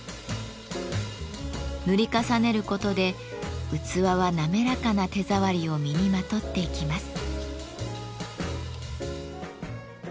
塗り重ねることで器は滑らかな手触りを身にまとっていきます。